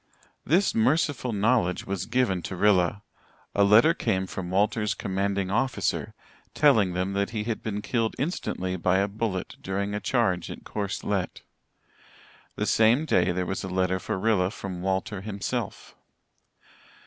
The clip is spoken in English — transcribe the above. This merciful knowledge was given to Rilla. A letter came from Walter's commanding officer, telling them that he had been killed instantly by a bullet during a charge at Courcelette. The same day there was a letter for Rilla from Walter himself.